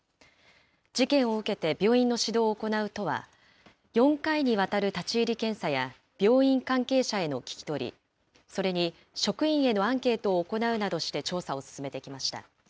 事件を受けて病院の指導を行う都は、４回にわたる立ち入り検査や、病院関係者への聞き取り、それに職員へのアンケートを行うなどして調査を進めてきました。